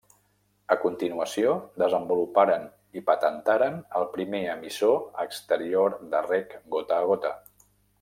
A continuació, desenvoluparen i patentaren el primer emissor exterior de reg gota a gota.